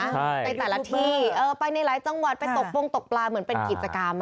ในแต่ละที่เออไปในหลายจังหวัดไปตกโปรงตกปลาเหมือนเป็นกิจกรรม